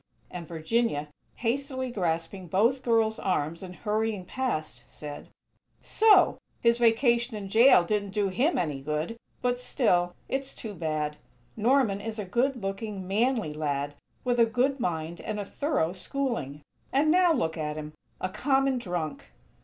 and Virginia, hastily grasping both girls' arms and hurrying past, said: "So!! His vacation in jail didn't do him any good! But, still, it's too bad. Norman is a good looking, manly lad, with a good mind and a thorough schooling. And now look at him! A _common drunk!!